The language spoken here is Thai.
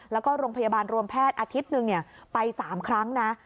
แล้วก็โรงพยาบาลรวมแพทย์อาทิตย์หนึ่งไป๓ครั้งนะ